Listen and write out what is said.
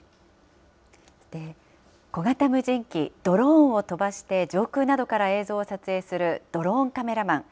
小型無人機、ドローンを飛ばして上空などから映像を撮影するドローンカメラマン。